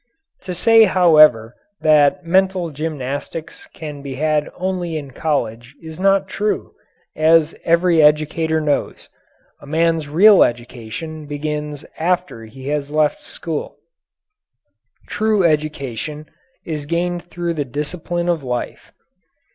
To say, however, that mental gymnastics can be had only in college is not true, as every educator knows. A man's real education begins after he has left school. True education is gained through the discipline of life.